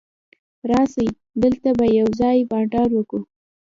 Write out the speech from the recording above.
راسئ! دلته به یوځای بانډار وکو.